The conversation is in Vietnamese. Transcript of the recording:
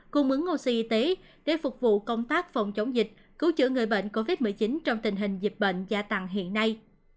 cung ứng oxy y tế để phục vụ công tác phòng chống dịch cứu chữa người bệnh covid một mươi chín trong tình hình dịch bệnh gia tăng hiện nay